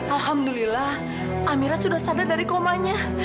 alhamdulillah amira sudah sadar dari komanya